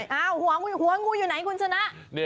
หัวงูอยู่ไหนคุณสุนัข